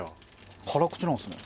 辛口なんですね。